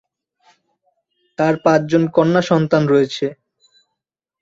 তার পাঁচজন কন্যা সন্তান রয়েছে।